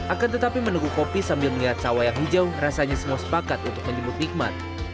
akan tetapi menunggu kopi sambil melihat sawah yang hijau rasanya semua sepakat untuk menyebut nikmat